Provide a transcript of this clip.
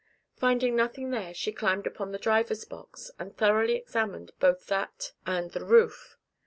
Finding nothing there, she climbed upon the driver's box, and thoroughly examined both that and the roof.